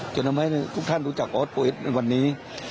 จนทำให้ทุกท่านรู้จักออสโอเอสในวันนี้